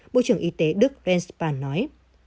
bộ trưởng y tế đức renspan nói